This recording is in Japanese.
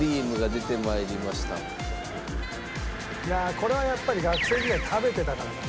これはやっぱり学生時代食べてたからかな。